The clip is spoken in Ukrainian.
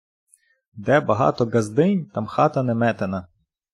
Де багато ґаздинь, там хата неметена.